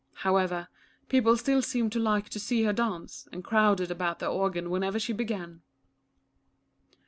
However, people still seemed to like to see her dance, and crowded about the organ whenever she began.